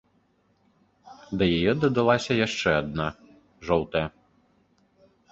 Да яе дадалася яшчэ адна, жоўтая.